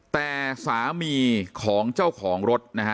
แต่สามีของเจ้าของรถนะฮะ